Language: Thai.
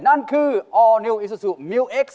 นั่นคือออร์นิวอิซูซูมิวเอ็กซ